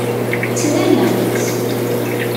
Ttnnameɣ-tt.